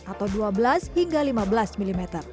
atau dua belas hingga lima belas mm